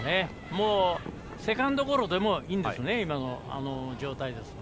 もうセカンドゴロでもいいんですね、今の状態ですと。